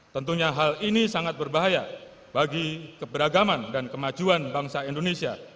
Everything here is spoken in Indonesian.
tentunya hal ini sangat berbahaya bagi keberagaman dan kemajuan bangsa indonesia